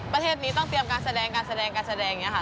ประเทศนี้ต้องเตรียมการแสดงอย่างนี้ค่ะ